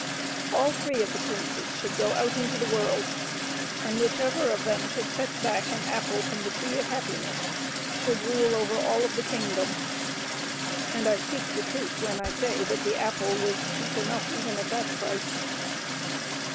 All three of the princes should go out into the world, and whichever of them should fetch back an apple from the Tree of Happiness should rule over all of the kingdom. And I speak the truth when I say that the apple was cheap enough even at that price.